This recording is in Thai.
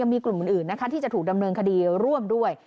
มีกลุ่มอื่นนะคะที่จะถูกดำเนินคดีร่วมด้วย